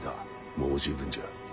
もう十分じゃ。